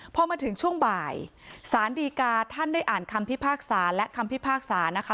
พอมาถึงช่วงบ่ายสารดีกาท่านได้อ่านคำพิพากษาและคำพิพากษานะคะ